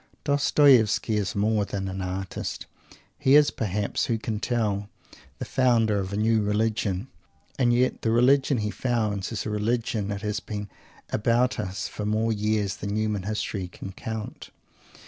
Dostoievsky is more than an artist. He is, perhaps who can tell? the founder of a new religion. And yet the religion he "founds" is a religion which has been about us for more years than human history can count.